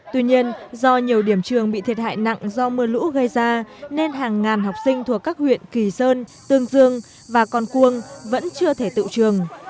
tuy nhiên do nhiều điểm trường bị thiệt hại nặng do mưa lũ gây ra nên hàng ngàn học sinh thuộc các huyện kỳ sơn tương dương và con cuông vẫn chưa thể tự trường